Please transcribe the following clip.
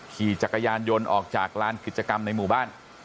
ขี่จักรยานยนต์ออกจากลานกิจกรรมในหมู่บ้าน